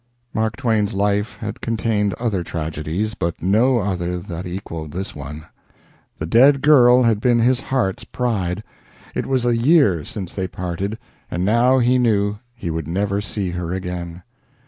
'" Mark Twain's life had contained other tragedies, but no other that equaled this one. The dead girl had been his heart's pride; it was a year since they parted, and now he knew he would never see her again.